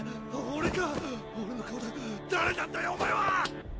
俺の顔だ誰なんだよお前は！